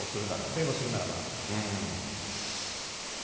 弁護するならば。